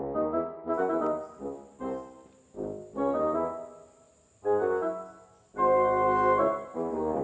terima kasih dok